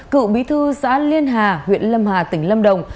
cựu bí thư xã liên hà huyện lâm hà tỉnh lâm đồng